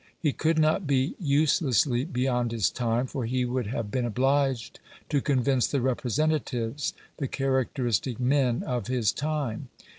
He could not be uselessly beyond his time, for he would have been obliged to convince the representatives, the characteristic men of his time.